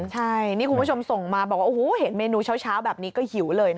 ใช่นี่คุณผู้ชมส่งมาบอกว่าโอ้โหเห็นเมนูเช้าแบบนี้ก็หิวเลยนะ